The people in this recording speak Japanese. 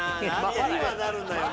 気にはなるんだよね。